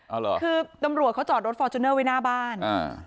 เอาเหรอคือตำรวจเขาจอดรถฟอร์จูเนอร์ไว้หน้าบ้านอ่า